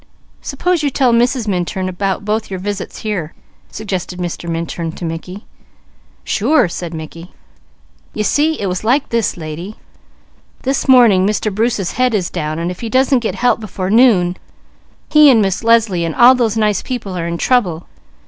"Suppose you tell Mrs. Minturn about both your visits here," suggested Mr. Minturn to Mickey. "Sure!" said Mickey. "You see it was like this lady. This morning Mr. Bruce's head is down, and if he doesn't get help before noon, he and Miss Leslie and all those nice people are in trouble.